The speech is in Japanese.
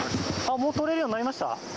もう通れるようになりました？